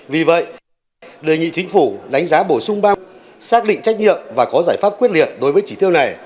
vì vậy đề nghị chính phủ đánh giá bổ sung ba xác định trách nhiệm và có giải pháp quyết liệt đối với chỉ tiêu này